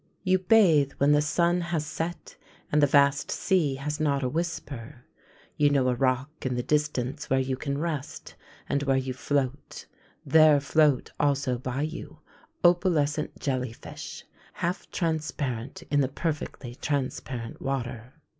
You bathe when the sun has set, and the vast sea has not a whisper; you know a rock in the distance where you can rest; and where you float, there float also by you opalescent jelly fish, half transparent in the perfectly transparent water.